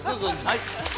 はい。